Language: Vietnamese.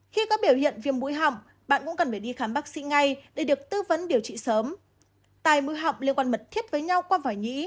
khi có biểu hiện viêm mũi hỏng bạn cũng cần phải đi khám bác sĩ ngay để được tư vấn điều trị sớm